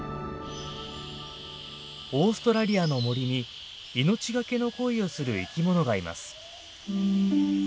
オーストラリアの森に命懸けの恋をする生きものがいます。